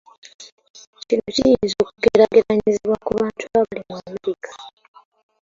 Kino kiyinza okugeraageranyizibwa ku bantu abali mu America.